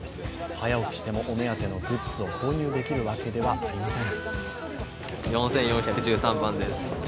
早起きしてもお目当てのグッズを購入できるわけではありません。